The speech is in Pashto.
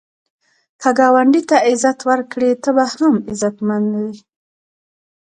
که ګاونډي ته عزت ورکړې، ته هم عزتمن یې